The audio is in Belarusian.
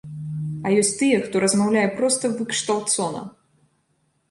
А ёсць тыя, хто размаўляе проста выкшталцона!